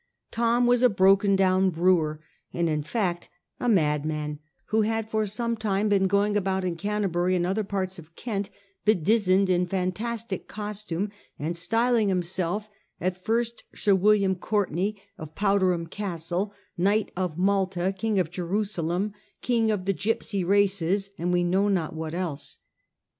Thom was a broken down brewer, and in fact a madman, who had for some time been going about in Canterbury and other parts of Kent bedizened in fantastic costume, and styling himself at first Sir William Courtenay, of Powderham Castle, Knight of Malta, Kin g of Jerusalem, king of the gipsy races, and we know not what else.